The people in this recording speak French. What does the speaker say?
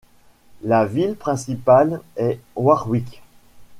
La ville principale est Warwick.